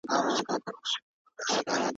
د یخچال غټه دروازه په پوره زور سره پرانیستل شوه.